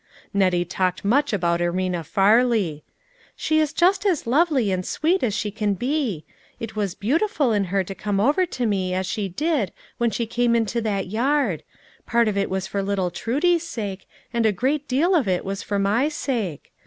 Nettie talked much about Ermina Farley. " She is just as lovely and sweet as she can be. A SATISFACTOEY EVENING. 329 It was beautiful in her to come over to me as she did when stie came into that yard ; part of it was for little Trudie's sake, and a great deal of it was for my sake.